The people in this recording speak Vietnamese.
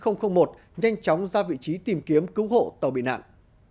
nhanh chóng ra vị trí tìm kiếm cứu hộ tàu bị nạn